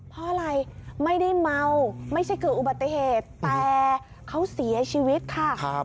เพราะอะไรไม่ได้เมาไม่ใช่เกิดอุบัติเหตุแต่เขาเสียชีวิตค่ะ